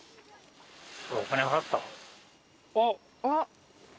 あっ。